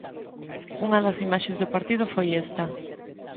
Unha das imaxes do partido foi esta.